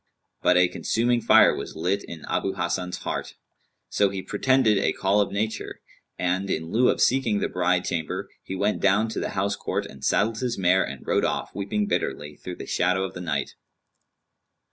But a consuming fire was lit in Abu Hasan's heart; so he pretended a call of nature; and, in lieu of seeking the bride chamber, he went down to the house court and saddled his mare and rode off, weeping bitterly, through the shadow of the night.